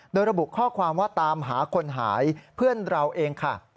โดยระบุข้อความว่าตามหาคนหายเพื่อนเราเองค่ะ